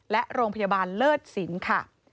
และโรงพยาบาลเลิศสินค่ะ